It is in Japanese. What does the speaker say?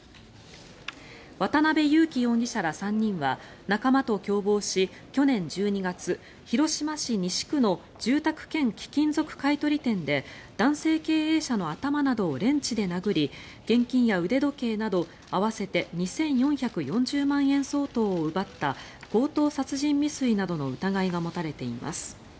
渡邉優樹容疑者ら３人は仲間と共謀し去年１２月、広島市西区の住宅兼貴金属買い取り店で男性経営者の頭などをレンチで殴り現金や腕時計など合わせて２４４０万円相当を奪った強盗殺人未遂などの疑いが持たれています。